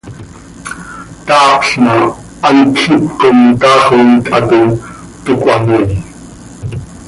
Taapl ma, hant quih cjip com taax oo it hatoii, toc cöhamoii.